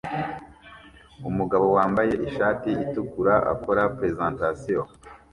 Umugabo wambaye ishati itukura akora presentation